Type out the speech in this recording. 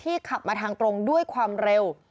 ขับมาทางตรงด้วยความเร็ว